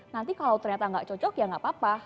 nanti kalau ternyata gak cocok ya gak apa apa